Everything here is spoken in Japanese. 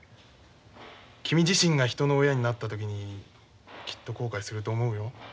君自身が人の親になった時にきっと後悔すると思うよ。